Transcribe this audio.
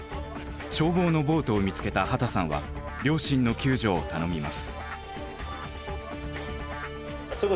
消防のボートを見つけた秦さんは両親の救助を頼みます。